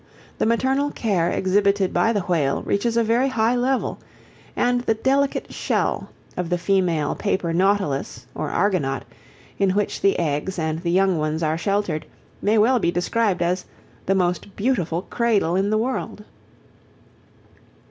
The maternal care exhibited by the whale reaches a very high level, and the delicate shell of the female Paper Nautilus or Argonaut, in which the eggs and the young ones are sheltered, may well be described as "the most beautiful cradle in the world."